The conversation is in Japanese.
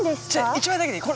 １枚だけでいい！